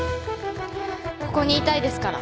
ここにいたいですから。